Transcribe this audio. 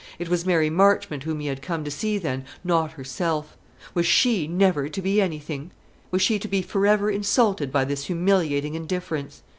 It was Mary Marchmont whom he had come to see, then not herself. Was she never to be anything? Was she to be for ever insulted by this humiliating indifference?